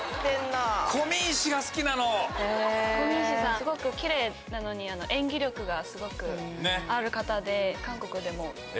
すごくキレイなのに演技力がすごくある方で韓国でも。